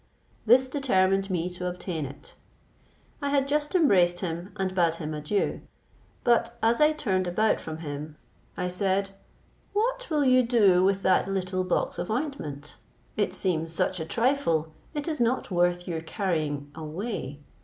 This determined me to obtain it. I had just embraced him and bade him adieu; but as I turned about from him, I said, "What will you do with that little box of ointment? It seems such a trifle, it is not worth your carrying away.